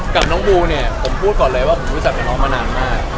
กับน้องบูเนี่ยผมพูดก่อนเลยว่าผมรู้จักกับน้องมานานมาก